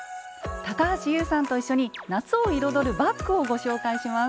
高橋ユウさんと一緒に夏を彩るバッグをご紹介します。